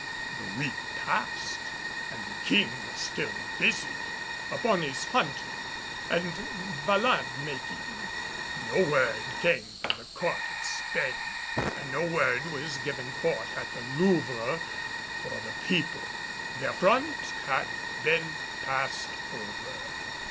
The week passed, and the King was still busy upon his hunting and ballade making. No word came from the Court of Spain and no word was given forth at the Louvre for the people. The affront had been passed over.